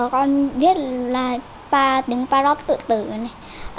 con biết là ba tiếng parot tự tử này